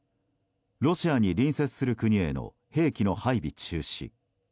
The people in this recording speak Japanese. ロシアに隣接する国への兵器の配備中止。